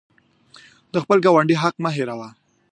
د خپل ګاونډي حق مه هیروه.